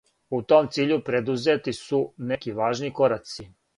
У том циљу предузети су неки важни кораци.